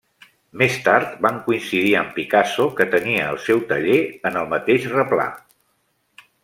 Més tard, van coincidir amb Picasso, que tenia el seu taller en el mateix replà.